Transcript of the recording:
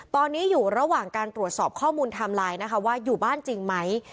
ตอนนี้อยู่ระหว่างการตรวจสอบข้อมูลไทม์ไลน์นะคะว่าอยู่บ้านจริงไหม